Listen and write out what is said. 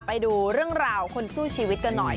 ไปดูเรื่องราวคนสู้ชีวิตกันหน่อย